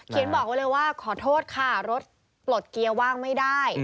บอกไว้เลยว่าขอโทษค่ะรถปลดเกียร์ว่างไม่ได้